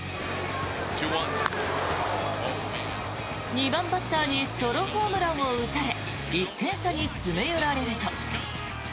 ２番バッターにソロホームランを打たれ１点差に詰め寄られると。